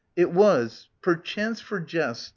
It was — perchance for jest.